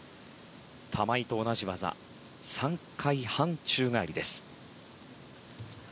玉井と同じ技３回半宙返り。